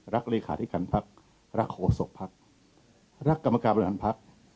รักเลขาที่กันภักดิ์รักโขสกภักดิ์รักกรรมกรรมการภักดิ์